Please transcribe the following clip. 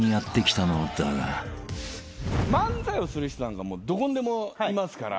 漫才をする人なんかどこにでもいますから。